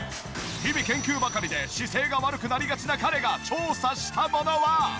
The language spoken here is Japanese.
日々研究ばかりで姿勢が悪くなりがちな彼が調査したものは。